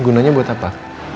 gunanya buat apa